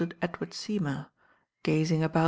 """"'^"d Edward SeymourTgaz „g about h.